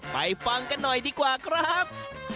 ฟังกันหน่อยดีกว่าครับ